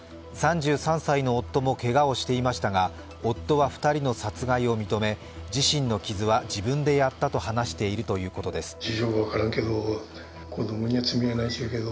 ３３歳の夫もけがをしていましたが夫は２人の殺害を認め、自身の傷は自分でやったと話しているということです。